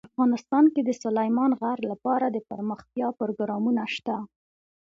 افغانستان کې د سلیمان غر لپاره دپرمختیا پروګرامونه شته.